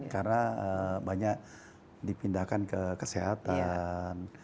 karena banyak dipindahkan ke kesehatan